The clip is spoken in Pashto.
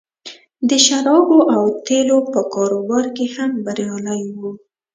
د شرابو او تیلو په کاروبار کې هم بریالی و